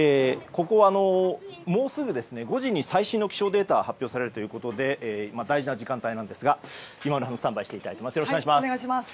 ここはもうすぐ５時に最新の気象データが発表されるということですが大事な時間帯ですが今村さんにスタンバイをしていただいています。